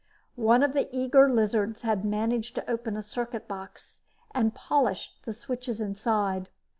One of the eager lizards had managed to open a circuit box and had polished the switches inside.